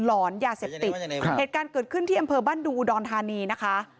หอนยาเสพติดครับเหตุการณ์เกิดขึ้นที่อำเภอบ้านดุงอุดรธานีนะคะ